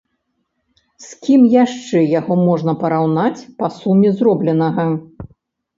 З кім яшчэ яго можна параўнаць па суме зробленага?